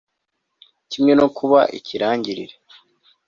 kimwe no kuba ikirangirire